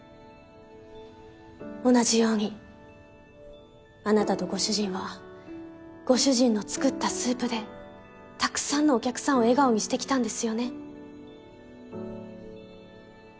同じようにあなたとご主人はご主人の作ったスープでたくさんのお客さんを笑顔にしてきたんですよね。